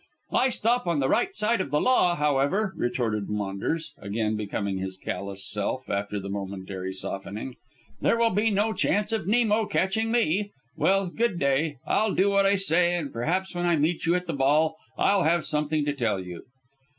"I stop on the right side of the law, however," retorted Maunders, again becoming his callous self, after the momentary softening. "There will be no chance of Nemo catching me. Well, good day. I'll do what I say, and perhaps when I meet you at the ball, I'll have something to tell you."